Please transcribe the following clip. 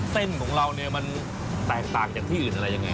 เส้นของเราเนี่ยมันแตกต่างจากที่อื่นอะไรยังไง